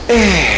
kamu tau gak